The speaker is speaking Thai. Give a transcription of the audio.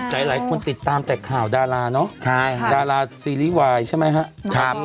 หลายคนติดตามแต่ข่าวดาราเนอะดาราซีรีส์วายใช่ไหมครับ